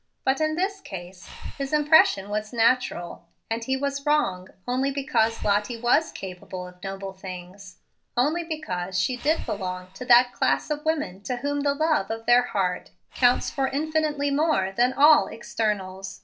But, in this case, his impression was natural, and he was wrong, only because Lottie was "capable of noble things," only because she did belong to that class of women to whom the love of their heart counts for infinitely more than all externals.